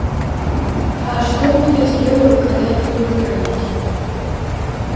А што будзе з ёю, калі адтуль выганяць.